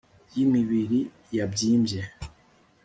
y'imibiri yabyimbye